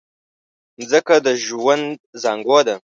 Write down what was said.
مځکه د ژوند زانګو ده.